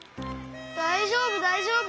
だいじょうぶだいじょうぶ。